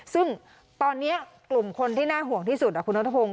ซึ่งตอนนี้กลุ่มคนที่น่าห่วงที่สุดคุณนัทพงศ